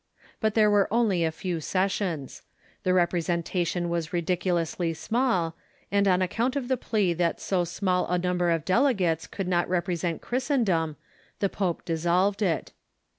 But there were only a few sessions. The representation was ridiculously small, and on account of the plea that so small a number of delegates could not represent Christendom, the pope dissolved it.